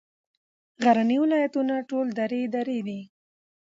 غرني ولایتونه ټول درې درې دي.